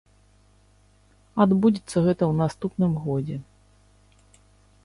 Адбудзецца гэта ў наступным годзе.